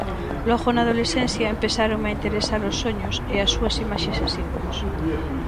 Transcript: Logo na adolescencia empezáronme a interesar os soños e as súas imaxes e símbolos.